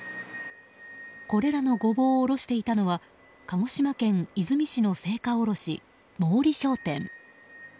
これらのゴボウを卸していたのは鹿児島県出水市の青果卸毛利商店。